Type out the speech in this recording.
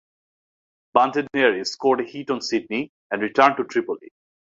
"Bande Nere" scored a hit on "Sydney" and returned to Tripoli.